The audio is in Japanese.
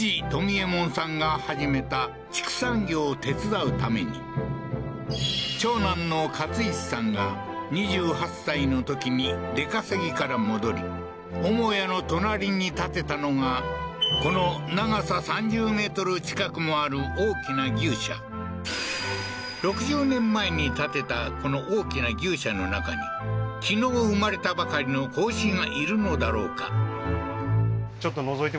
冨右衛門さんが始めた畜産業を手伝うために長男の勝一さんが２８歳のときに出稼ぎから戻り母屋の隣に建てたのがこの長さ３０メートル近くもある大きな牛舎６０年前に建てたこの大きな牛舎の中に昨日生まれたばかりの子牛がいるのだろうか？